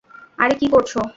আরে, কী করছ।